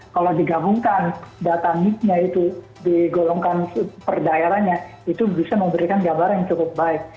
kalau digabungkan data nic nya itu di golongkan per daerahnya itu bisa memberikan gabaran yang cukup baik